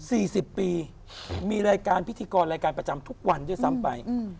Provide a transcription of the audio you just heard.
สิบปีมีรายการพิธีกรรายการประจำทุกวันด้วยซ้ำไปอืม